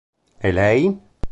E lei?